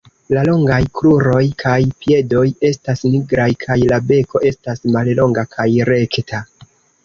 La longaj kruroj kaj piedoj estas nigraj kaj la beko estas mallonga kaj rekta.